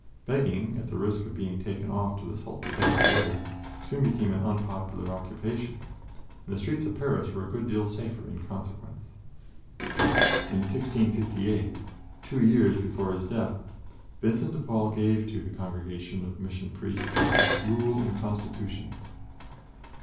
Begging, at the risk of being taken off to the Salpêtrière, soon became an unpopular occupation, and the streets of Paris were a good deal safer in consequence. In 1658, two years before his death, Vincent de Paul gave to the Congregation of Mission Priests its Rule and Constitutions.